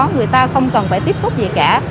người ta không cần phải tiếp xúc gì cả